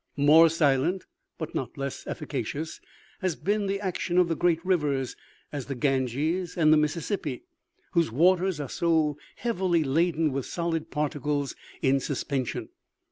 " More silent, but not less efficacious, has been the action of the great rivers, as the Ganges and the Missis sippi, whose waters are so heavily laden with solid parti cles in suspension.